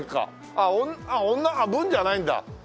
あっ文じゃないんだ。